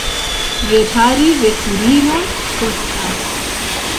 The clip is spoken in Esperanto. Repari veturilon kostas.